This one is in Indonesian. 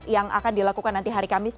yang akan dilakukan nanti hari kamis